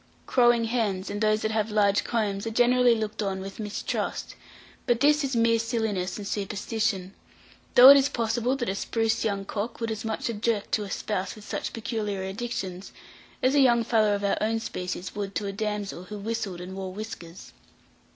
Crowing hens, and those that have large combs, are generally looked on with mistrust; but this is mere silliness and superstition though it is possible that a spruce young cock would as much object to a spouse with such peculiar addictions, as a young fellow of our own species would to a damsel who whistled and who wore whiskers.